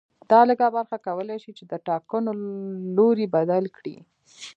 دا لږه برخه کولای شي چې د ټاکنو لوری بدل کړي